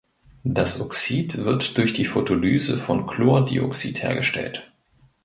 Das Oxid wird durch die Photolyse von Chlordioxid hergestellt.